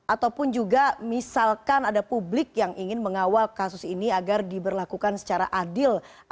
ataupun juga misalkan ada publik yang ingin mengawal kasus ini agar diberlakukan secara adil